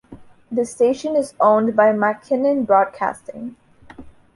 The station is owned by McKinnon Broadcasting.